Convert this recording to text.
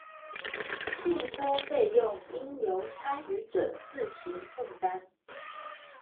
信託費用應由參與者自行負擔